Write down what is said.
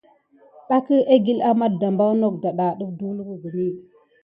Taki ekile anada dak far wuyani akum ezane ba kusuh zene.